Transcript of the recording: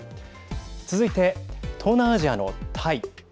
続いて、東南アジアのタイ。